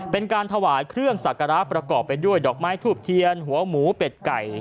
เป็นการถวายเครื่องสักการะประกอบไปด้วยดอกไม้ทูบเทียนหัวหมูเป็ดไก่